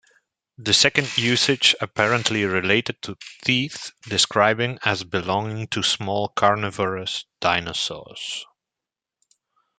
The second usage apparently related to teeth described as belonging to small carnivorous dinosaurs.